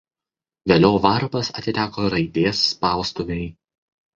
Vėliau „Varpas“ atiteko „Raidės“ spaustuvei.